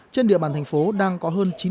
trên địa bàn thành phố đang có hơn